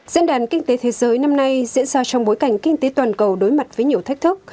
diễn đàn kinh tế thế giới năm nay diễn ra trong bối cảnh kinh tế toàn cầu đối mặt với nhiều thách thức